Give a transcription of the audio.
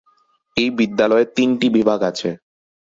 এই বিদ্যালয়ে তিনটি বিভাগ আছে।